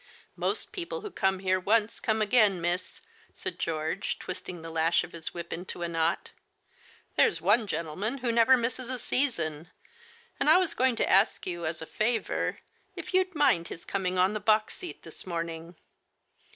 " Most people who come here once, come again, miss," said George, twisting the lash of his whip into a knot. " There's one gentleman who never misses a season, and I was going to ask you, as a favor, if you'd mind his coming on the box seat this morning?